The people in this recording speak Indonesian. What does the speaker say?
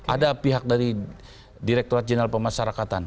ada pihak dari direkturat jeneral pemasyarakatan